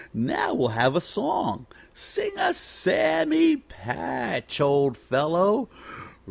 Now we'll have a song. Sing us Sammy Patch, old fellow.'